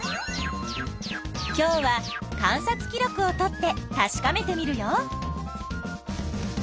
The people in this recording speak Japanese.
今日は観察記録をとってたしかめてみるよ。